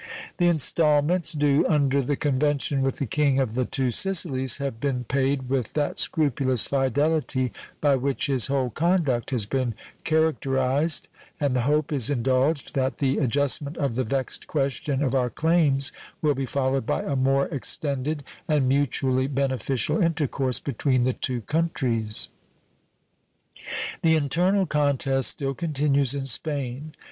The installments due under the convention with the King of the Two Sicilies have been paid with that scrupulous fidelity by which his whole conduct has been characterized, and the hope is indulged that the adjustment of the vexed question of our claims will be followed by a more extended and mutually beneficial intercourse between the two countries. The internal contest still continues in Spain.